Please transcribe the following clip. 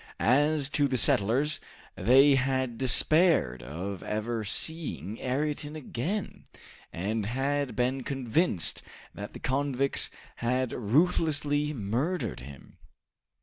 As to the settlers, they had despaired of ever seeing Ayrton again, and had been convinced that the convicts had ruthlessly murdered him.